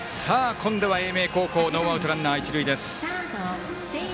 今度は英明高校ノーアウト、ランナー、一塁。